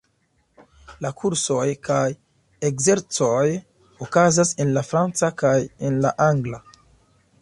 La kursoj kaj ekzercoj okazas en la franca kaj en la angla.